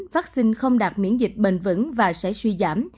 phát sinh không đạt miễn dịch bền vững và sẽ suy giảm